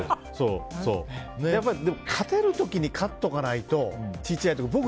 やっぱり勝てる時に勝っておかないと小さい時に。